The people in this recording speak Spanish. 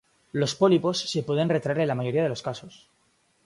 Los pólipos se pueden retraer en la mayoría de los casos.